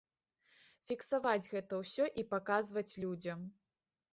Фіксаваць гэта ўсё і паказваць людзям.